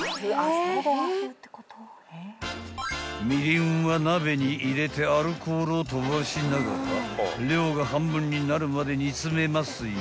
［みりんは鍋に入れてアルコールを飛ばしながら量が半分になるまで煮詰めますよ］